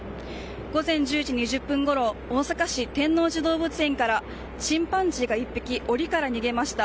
午前１０時２０分ごろ、大阪市、天王寺動物園からチンパンジーが１匹、おりから逃げました。